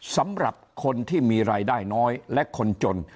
สำหรับคนที่มีรายได้น้อยและคนจน